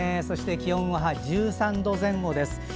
そして気温は１３度前後です。